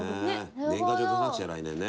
年賀状出さなくちゃ来年ね。